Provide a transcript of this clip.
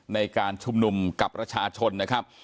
ในการชุมนุมกับประชาชนนะครับ